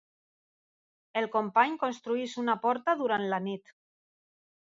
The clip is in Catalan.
El company construeix una porta durant la nit.